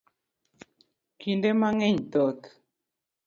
Kinde mang'eny thoth